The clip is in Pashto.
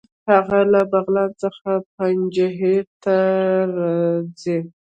هغه له بغلان څخه پنجهیر ته ځي.